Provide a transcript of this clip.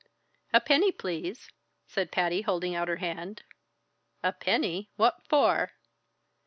"A penny, please," said Patty, holding out her hand. "A penny? what for?"